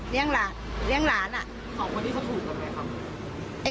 เลี้ยงหลานเลี้ยงหลาน